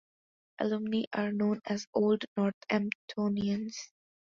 Alumni are known as Old Northamptonians.